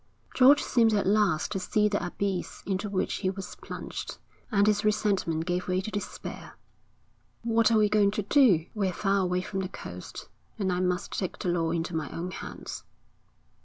George seemed at last to see the abyss into which he was plunged, and his resentment gave way to despair. 'What are you going to do?' 'We're far away from the coast, and I must take the law into my own hands.'